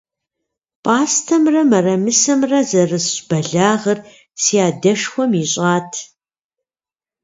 Пӏастэмрэ мэрэмысэмрэ зэрысщӏ бэлагъыр си адшхуэм ищӏат.